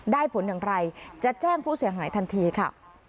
ผลอย่างไรจะแจ้งผู้เสียหายทันทีค่ะ